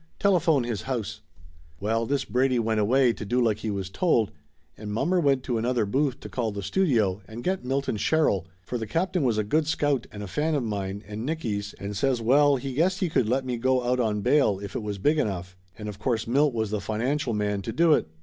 Tele phone his house !" Well, this Brady he went away to do like he was told, and mommer went to another booth to call the studio and get Milton Sherrill, for the captain was a good scout and a fan of mine and Nicky's and says well he guessed he could let me go out on bail if it was big enough, and of course Milt was the financial man to do it.